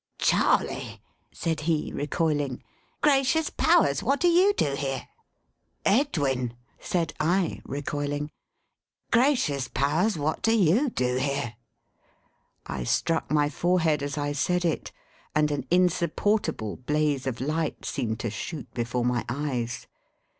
"Charley!" said he, recoiling. "Gracious powers, what do you do here?" "Edwin," said I, recoiling, "gracious powers, what do you do here?" I struck my forehead as I said it, and an insupportable blaze of light seemed to shoot before my eyes.